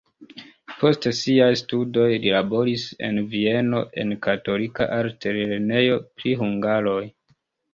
Post siaj studoj li laboris en Vieno en katolika altlernejo pri hungaroj.